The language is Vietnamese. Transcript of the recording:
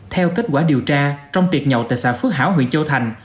theo kết quả điều tra trong tiệc nhậu tại xã phước hảo huyện châu thành